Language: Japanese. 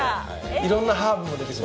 いろんなハーブも出てくる？